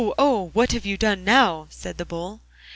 oh! What have you done now?' said the Bull.